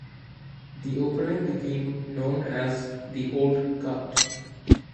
The opening became known as "The Old Cut".